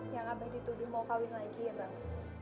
yang abai dituduh mau kawin lagi ya bang